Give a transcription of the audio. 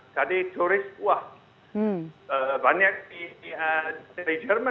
tadi turis wah banyak dari jerman